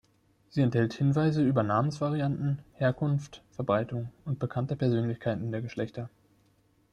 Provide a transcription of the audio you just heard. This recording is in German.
Sie enthält Hinweise über Namensvarianten, Herkunft, Verbreitung und bekannte Persönlichkeiten der Geschlechter.